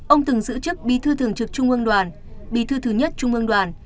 ông từng giữ chức bí thư thường trực trung ương đoàn bí thư thứ nhất trung ương đoàn